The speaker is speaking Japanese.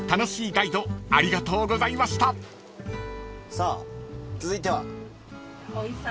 さあ続いては？